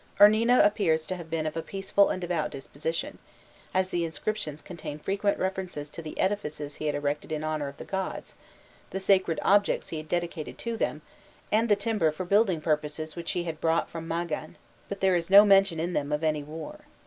Urnina appears to have been of a peaceful and devout disposition, as the inscriptions contain frequent references to the edifices he had erected in honour of the gods, the sacred objects he had dedicated to them, and the timber for building purposes which he had brought from Magan, but there is no mention in them of any war.